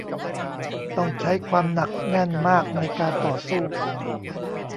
ต้องใช้ความหนักแน่นมากในการต่อสู้